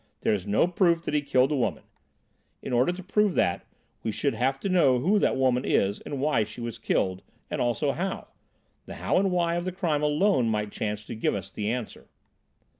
There is no proof that he killed the woman. In order to prove that we should have to know who that woman is and why she was killed, and also how. The how and why of the crime alone might chance to give us the answer."